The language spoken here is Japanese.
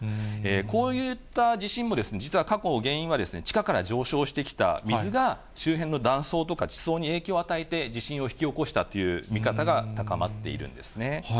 こういった地震も、実は過去、原因は地下から上昇してきた水が、周辺の断層とか地層に影響を与えて、地震を引き起こしたという見方が高まっているんですね。